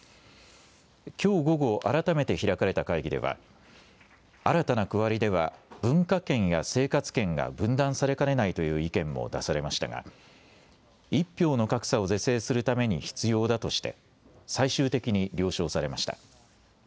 きょう午後、改めて開かれた会議では新たな区割りでは文化圏や生活圏が分断されかねないという意見も出されましたが１票の格差を是正するために必要だとして最終的に了承されました。